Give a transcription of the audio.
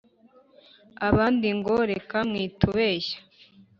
Abandi ngo: "Reka mwitubeshya!